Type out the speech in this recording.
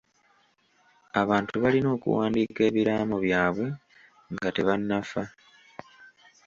Abantu balina okuwandiika ebiraamo byabwe nga tebannafa.